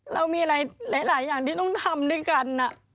เรามีอะไรหลายอย่างที่ต้องทำด้วยกัน